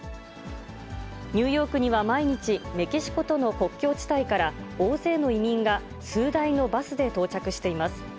ニューヨークには毎日、メキシコとの国境地帯から大勢の移民が数台のバスで到着しています。